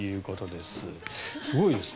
すごいですね